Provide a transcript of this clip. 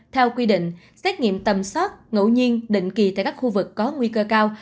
theo quy định xét nghiệm tầm soát ngẫu nhiên định kỳ tại các khu vực có nguy cơ cao